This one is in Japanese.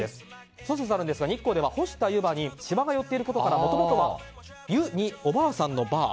諸説あるんですが日光では干したゆばにしわが寄っていることからもともとは「湯に婆」で湯婆。